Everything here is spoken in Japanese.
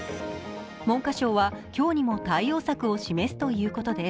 文科省は今日にも対応策を示すと言うことです。